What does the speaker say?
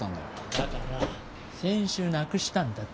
だから先週なくしたんだって。